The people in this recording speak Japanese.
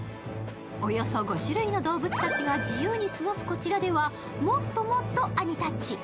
およそ５種類の動物たちが自由に過ごすこちらではもっともっとアニタッチ。